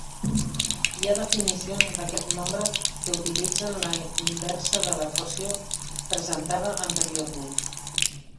Hi ha definicions d'aquest nombre que utilitzen la inversa de l'equació presentada anteriorment.